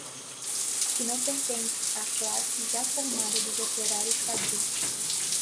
que não pertence à classe já formada dos operários fabris